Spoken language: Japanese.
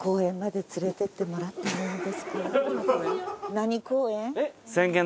何公園？